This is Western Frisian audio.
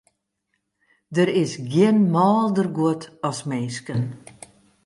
Der is gjin mâlder guod as minsken.